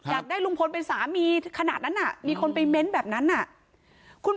อยากได้ลุงพลเป็นสามีขนาดนั้นมีคนไปเม้นต์แบบนั้น